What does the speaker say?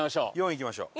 「４」いきましょう。